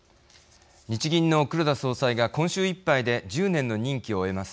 日銀の黒田総裁が今週いっぱいで１０年の任期を終えます。